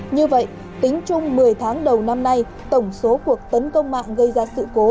như vậy tính chung một mươi tháng đầu năm nay tổng số cuộc tấn công mạng gây ra sự cố